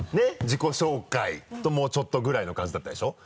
自己紹介ともうちょっとぐらいの感じだったでしょ？